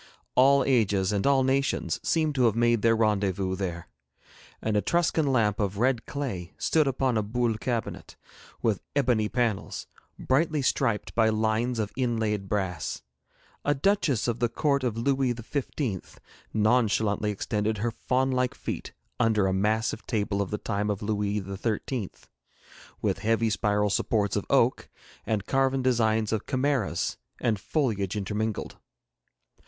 All ages and all nations seemed to have made their rendezvous there. An Etruscan lamp of red clay stood upon a Boule cabinet, with ebony panels, brightly striped by lines of inlaid brass; a duchess of the court of Louis xv. nonchalantly extended her fawn like feet under a massive table of the time of Louis xiii., with heavy spiral supports of oak, and carven designs of chimeras and foliage intermingled.